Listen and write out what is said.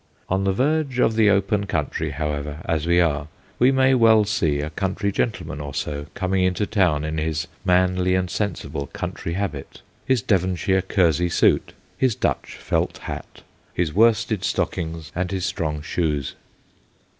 On the verge of the open country, however, as we are, we may well see a country gentleman or so coming into town in his manly and sensible country habit his Devonshire kersey suit, his Dutch felt hat, his worsted stockings and his strong shoes.